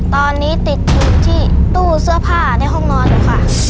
ตอนนี้ติดอยู่ที่ตู้เสื้อผ้าในห้องนอนเลยค่ะ